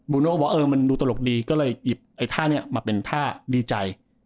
โน่บอกเออมันดูตลกดีก็เลยหยิบไอ้ท่านี้มาเป็นท่าดีใจ